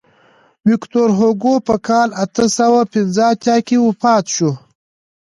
ویکتور هوګو په کال اته سوه پنځه اتیا کې وفات شو.